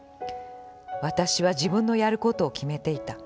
私は自分のやることを決めていた。